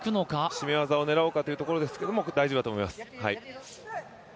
絞め技を狙おうかというところですが、大丈夫だと思います。